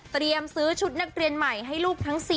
ซื้อชุดนักเรียนใหม่ให้ลูกทั้ง๔